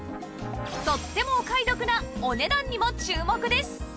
とってもお買い得なお値段にも注目です！